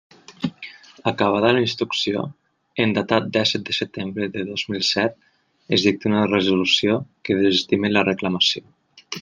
Acabada la instrucció, en data dèsset de setembre de dos mil set es dicta una resolució que desestima la reclamació.